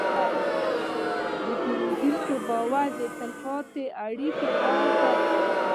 د پیرودونکي باور د تلپاتې اړیکې راز دی.